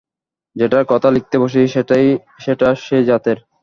যেটার কথা লিখতে বসেছি সেটা সেই জাতের।